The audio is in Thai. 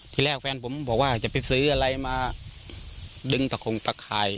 ที่แรกแฟนผมบอกว่าจะไปซื้ออะไรมาดึงตะขงตะข่าย